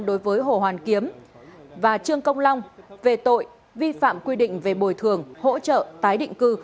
đối với hồ hoàn kiếm và trương công long về tội vi phạm quy định về bồi thường hỗ trợ tái định cư